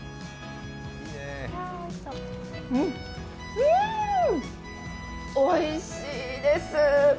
うーん、おいしいです。